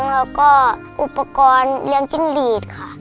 แล้วก็อุปกรณ์เลี้ยงจิ้งหลีดค่ะ